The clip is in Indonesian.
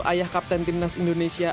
ayah kapten timnas indonesia